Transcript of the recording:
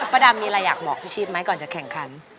ประดำมีอะไรอยากบอกพี่ชีพไหมก่อนจะแข่งขัน